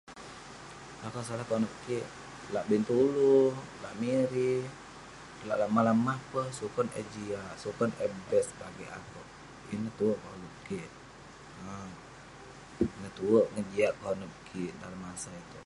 Lakau solai konep kik lak Bintulu, lak Miri, lak lak mah-lak mah peh sukon eh jiak, sukon best bagik akouk. Ineh tue koluk kik. um Ineh tue ngejiak konep kik